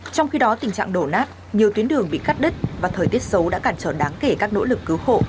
trong khi đó tình trạng đổ nát nhiều tuyến đường bị cắt đứt và thời tiết xấu đã cản trở đáng kể các nỗ lực cứu hộ